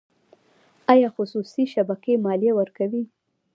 آیا خصوصي شبکې مالیه ورکوي؟